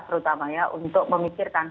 terutama ya untuk memikirkan